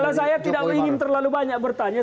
kalau saya tidak ingin terlalu banyak bertanya